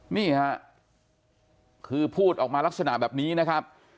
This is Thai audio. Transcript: นี่ค่ะคือพูดออกมาลักษณะแบบนี้นะครับ